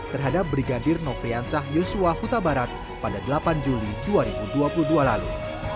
terhadap brigadir nofriansah yusua huta barat pada delapan juli dua ribu dua puluh dua lalu